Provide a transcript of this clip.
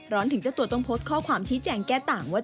ถึงเจ้าตัวต้องโพสต์ข้อความชี้แจงแก้ต่างว่า